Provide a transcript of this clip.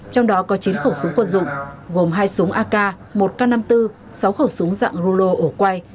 trong đó có chín khẩu súng quân dụng gồm hai súng ak một k năm mươi bốn sáu khẩu súng dạng rulo ổ quay